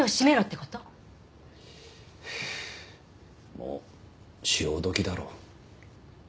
もう潮時だろう